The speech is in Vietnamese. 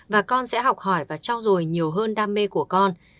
và con sẽ học hỏi và trao dồi nhiều hơn đam mê của con